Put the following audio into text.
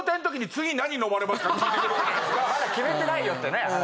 まだ決めてないよってね話。